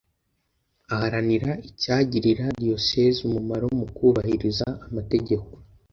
aharanira icyagirira diyoseze umumaro mu kubahiriza amategeko